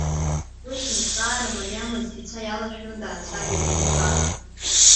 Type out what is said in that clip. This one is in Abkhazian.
Уи шызҵаара мариамыз ицәа иалашәаны даацәажәеит Аимхаа.